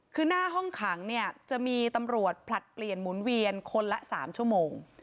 คือหน้าห้องขังเนี่ยจะมีตำรวจผลัดเปลี่ยนหมุนเวียนคนละ๓ชั่วโมง